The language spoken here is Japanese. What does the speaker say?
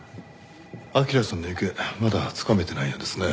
明良さんの行方まだつかめてないようですね。